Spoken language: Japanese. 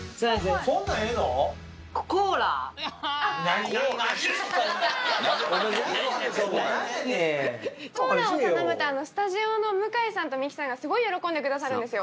コーラを頼むとスタジオの向井さんとミキさんがすごい喜んでくださるんですよ・